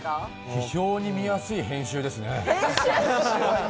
非常に見やすい編集ですね。